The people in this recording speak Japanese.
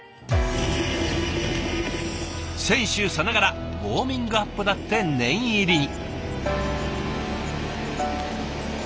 選手さながらウォーミングアップだって念入りに。